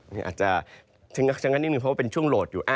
อันนี้อาจจะเชิงกันนิดหนึ่งเพราะว่าเป็นช่วงโหลดอยู่